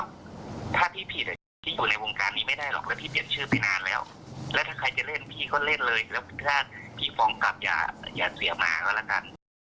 แล้วถ้าพี่ฟองกลับอย่าเสียมาก็ละกัน